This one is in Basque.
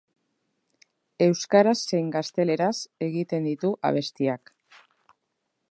Euskaraz zein gazteleraz egiten ditu abestiak.